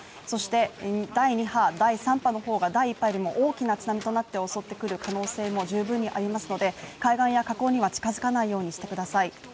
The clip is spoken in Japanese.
そして第２波第３波の方が第１波よりも大きな津波となって襲ってくる可能性も十分にありますので、海岸や河口には近づかないようにしてください